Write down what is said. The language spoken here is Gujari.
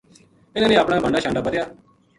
اِنھاں نے اپنا بھانڈا شانڈا بَدھیا